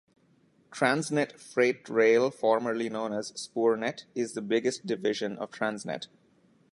Transnet Freight Rail formerly known as Spoornet, is the biggest division of Transnet.